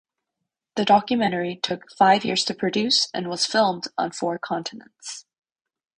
The documentary took five years to produce and was filmed on four continents.